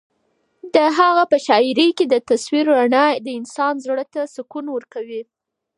د هغه په شاعرۍ کې د تصوف رڼا د انسان زړه ته سکون ورکوي.